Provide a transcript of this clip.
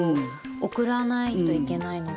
送らないといけないので。